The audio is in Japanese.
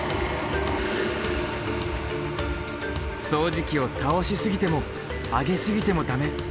掃除機を倒しすぎても上げすぎても駄目。